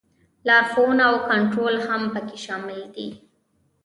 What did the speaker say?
لارښوونه او کنټرول هم پکې شامل دي.